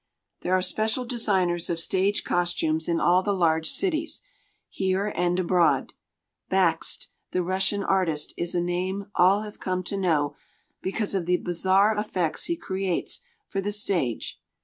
There are special designers of stage costumes in all the large cities, here and abroad. Bakst, the Russian artist, is a name all have come to know because of the bizarre effects he creates for the stage.